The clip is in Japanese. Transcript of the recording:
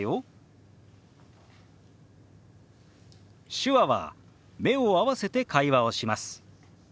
手話は目を合わせて会話をします。